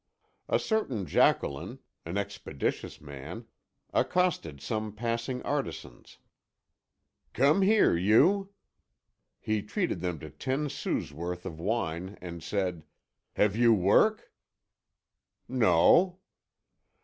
A certain Jacqueline, an expeditious man, accosted some passing artisans: "Come here, you!" He treated them to ten sous' worth of wine and said: "Have you work?" "No."